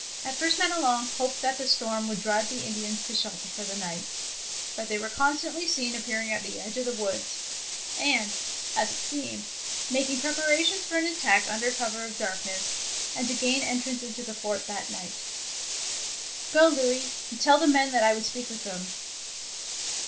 At first Madelon hoped that the storm would drive the Indians to shelter for the night, but they were constantly seen appearing at the edge of the woods, and, as it seemed, making prep arations for an attack under cover of the darkness, and to gain entrance into the fort that night. " Gro, Louis, and tell all the men that I would speak with them.